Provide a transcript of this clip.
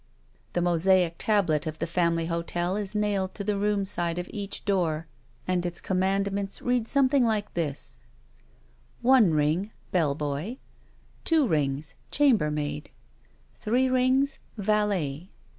The mosaic tablet of the family hotel is nail^ to 3 •• 4 »* &^:^:.F..^LK$.1N BEAUTY the room side of each door and its commandments read something like this: One Ttng: Bell Boy. Two rings: Chambermaid. Three rings: Valet.